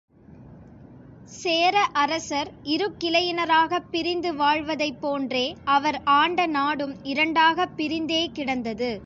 சேர அரசர் இரு கிளையினராகப் பிரிந்து வாழ்வதைப் போன்றே, அவர் ஆண்ட நாடும், இரண்டாகப் பிரிந்தே கிடந்தது.